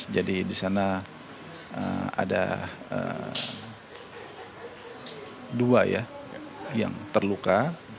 jadi di sana ada dua yang terluka